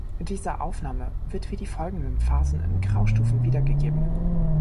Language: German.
Diese Aufnahme wird wie die folgenden Phasen in Graustufen wiedergegeben.